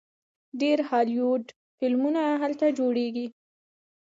ډیر هالیوډ فلمونه هلته جوړیږي.